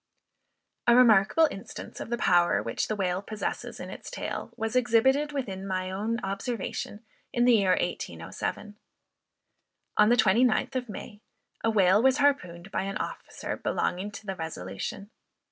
A remarkable instance of the power which the whale possesses in its tail, was exhibited within my own observation, in the year 1807. On the 29th of May, a whale was harpooned by an officer belonging to the Resolution.